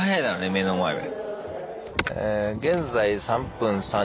目の前で。